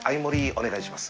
お願いします。